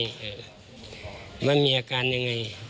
ว่ามีอาการยังไง